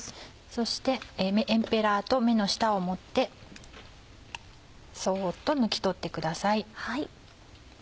そしてエンペラと目の下を持ってそっと抜き取ってください。